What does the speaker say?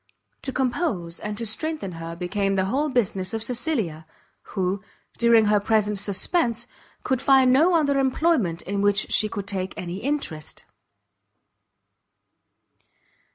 To compose and to strengthen her became the whole business of Cecilia; who, during her present suspense, could find no other employment in which she could take any interest.